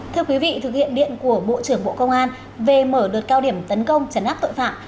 thưa quý vị thực hiện điện của bộ trưởng bộ công an về mở đợt cao điểm tấn công trấn áp tội phạm